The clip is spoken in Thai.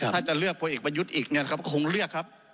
ถ้าจะเลือกพลเอกประยุทธ์อีกเนี่ยนะครับคงเลือกครับ